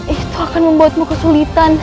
itu akan membuatmu kesulitan